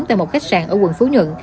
tại một khách sạn ở quận phú nhận